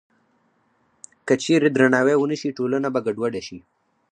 که چېرې درناوی ونه شي، ټولنه به ګډوډه شي.